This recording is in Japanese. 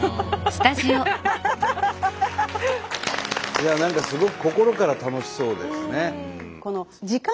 いや何かすごく心から楽しそうですね。